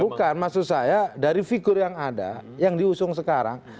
bukan maksud saya dari figur yang ada yang diusung sekarang